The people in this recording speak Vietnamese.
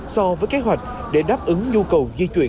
so với kế hoạch để đáp ứng nhu cầu di chuyển